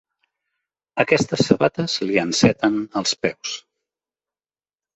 Aquestes sabates li enceten els peus.